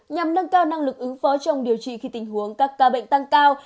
nhằm nâng cao năng lực ứng phó trong điều trị khi tình huống các ca bệnh tăng cao